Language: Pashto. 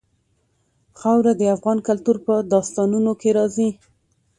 خاوره د افغان کلتور په داستانونو کې راځي.